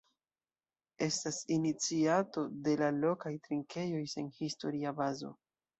Estas iniciato de la lokaj trinkejoj sen historia bazo.